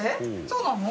そうなの？